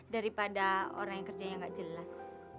daripada orang yang kerjanya nggak jelas